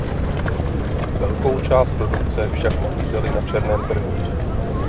Velkou část produkce však nabízeli na černém trhu.